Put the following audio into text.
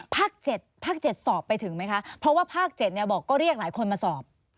ภาค๗สอบไปถึงไหมคะเพราะว่าภาค๗เนี่ยบอกก็เรียกหลายคนมาสอบ